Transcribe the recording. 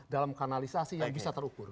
dalam kanalisasi yang bisa terukur